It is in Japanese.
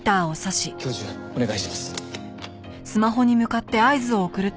教授お願いします。